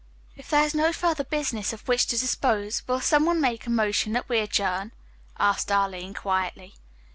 "If there is no further business of which to dispose, will some one make a motion that we adjourn!" asked Arline quietly.